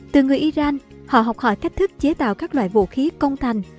từ người iran họ học hỏi cách thức chế tạo các loại vũ khí công thành